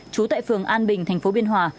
trú tại phường an bình thành phố biên hòa